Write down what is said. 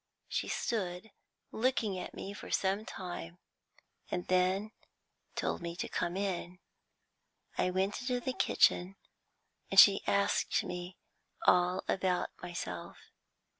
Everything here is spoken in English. She stood looking at me for some time, and then told me to come in. I went into the kitchen, and she asked me all about myself.